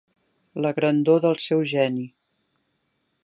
La grandor del seu geni.